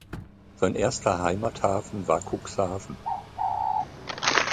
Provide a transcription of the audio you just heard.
Sein erster Heimathafen war Cuxhaven.